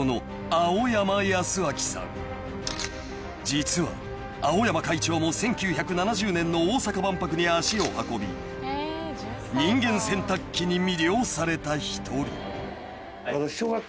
［実は青山会長も１９７０年の大阪万博に足を運び人間洗濯機に魅了された１人］